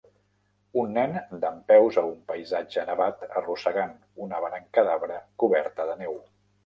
Un nen dempeus a un paisatge nevat arrossegant una branca d'arbre coberta de neu.